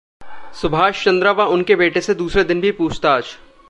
सुभाष चंद्रा व उनके बेटे से दूसरे दिन भी पूछताछ